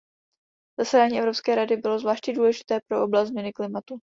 Zasedání Evropské rady bylo zvláště důležité pro oblast změny klimatu.